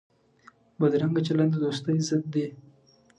بدرنګه چلند د دوستۍ ضد دی